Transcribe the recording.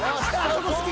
そこ好き。